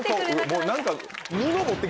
もう何か。